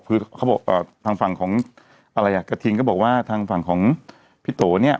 คือเขาบอกทางฝั่งของอะไรอ่ะกระทิงก็บอกว่าทางฝั่งของพี่โตเนี่ย